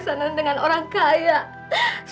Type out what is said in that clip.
lalu kita cakap